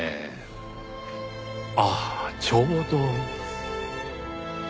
ああちょうど。